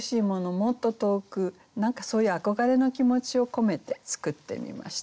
もっと遠く何かそういう憧れの気持ちを込めて作ってみました。